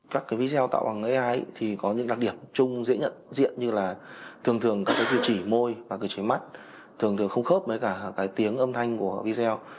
các cái video tạo bằng ai thì có những đặc điểm chung dễ nhận diện như là thường thường các cái cửa chỉ môi và cửa chỉ mắt thường thường không khớp với cả cái tiếng âm thanh của video